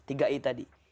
tiga i tadi